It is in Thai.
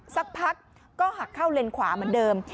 สักพักก็หักเข้าเลนขวาเหมือนเดิม